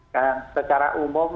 ya secara umum